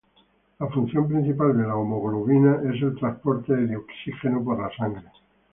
La función principal de la hemoglobina es el transporte de dioxígeno por la sangre.